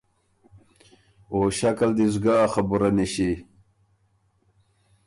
او ݭک ال دی سُو ګۀ ا خبُره نِݭی“